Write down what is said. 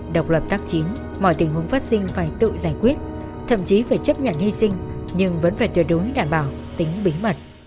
độc lập tác chiến mọi tình huống phát sinh phải tự giải quyết thậm chí phải chấp nhận hy sinh nhưng vẫn phải tuyệt đối đảm bảo tính bí mật